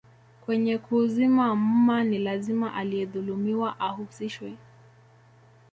Kwenye kuuzima mma ni lazima aliyedhulumiwa ahusishwe